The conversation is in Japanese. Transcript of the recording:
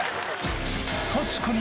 確かに